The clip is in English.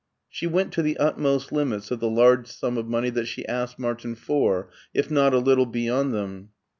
She went to the utmost limits of the large sum of money that she asked Martin for, if not a little beyond them.